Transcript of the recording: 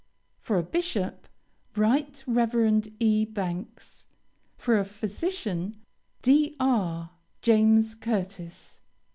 For a bishop: RIGHT REVEREND E. BANKS. For a physician: DR. JAMES CURTIS.